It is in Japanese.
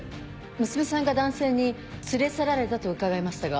娘さんが男性に連れ去られたと伺いましたが。